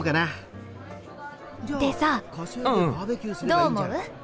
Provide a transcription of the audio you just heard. どう思う？